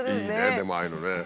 でもああいうのね。